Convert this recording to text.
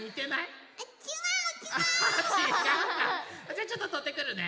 じゃあちょっととってくるね。